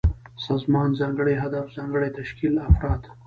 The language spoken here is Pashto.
سازمان: ځانګړی هدف، ځانګړی تشکيل ، افراد